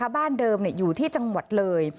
บ้านเดิมอยู่ที่จังหวัดเลย